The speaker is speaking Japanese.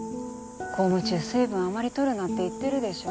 公務中水分あまり取るなって言ってるでしょ。